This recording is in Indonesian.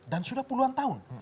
dan sudah puluhan tahun